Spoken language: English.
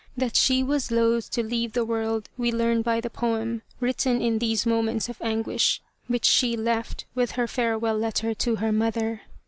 That she was loth to leave the world we learn by the poem, written in these moments of anguish, which she left with her farewell letter to her mother.